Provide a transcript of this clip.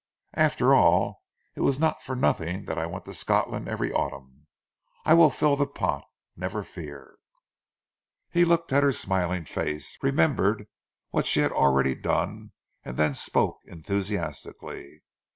After all it was not for nothing that I went to Scotland every autumn. I will fill the pot, never fear." He looked at her smiling face, remembered what she had already done, and then spoke enthusiastically.